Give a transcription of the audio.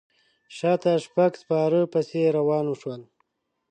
شاته شپږ سپاره پسې روان شول.